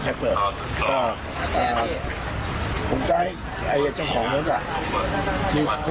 ต้อยเห็นก็ขาเขาเสียประตูอะเห็นเข้าได้เลย